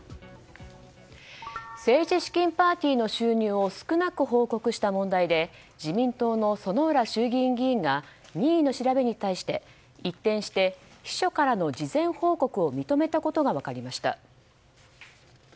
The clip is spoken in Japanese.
政治資金パーティーの収入を少なく報告した問題で自民党の薗浦衆議院議員が任意の調べに対して一転して秘書からの事前報告を認めたことが分かりました。